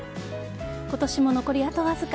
今年も残りあとわずか。